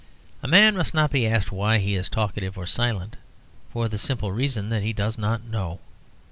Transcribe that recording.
A man must not be asked why he is talkative or silent, for the simple reason that he does not know.